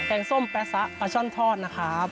งส้มแป๊ซะปลาช่อนทอดนะครับ